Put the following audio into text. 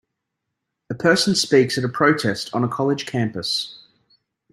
A person speaks at a protest on a college campus.